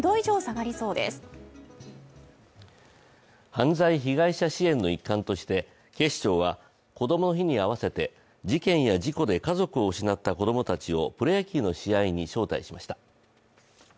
犯罪被害者支援の一環として警視庁はこどもの日に合わせて事件や事故で家族を失った子供たちをプロ野球の試合に招待しました。